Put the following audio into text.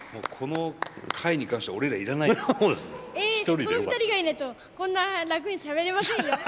この２人がいないとこんな楽にしゃべれませんよ。